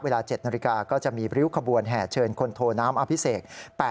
เวลา๗นาฬิกาก็จะมีริ้วขบวนแห่เชิญคนโทน้ำอภิเษก